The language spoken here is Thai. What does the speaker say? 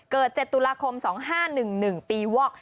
๗ตุลาคม๒๕๑๑ปีวอก